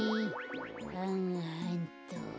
はんはんっと。